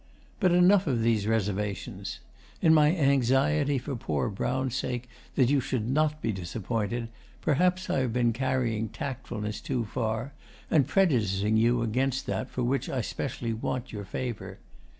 But enough of these reservations. In my anxiety for poor Brown's sake that you should not be disappointed, perhaps I have been carrying tactfulness too far and prejudicing you against that for which I specially want your favour.